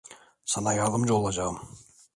Sana yardımcı olacağım.